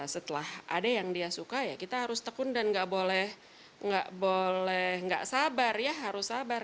setelah ada yang dia suka ya kita harus tekun dan nggak boleh nggak sabar ya harus sabar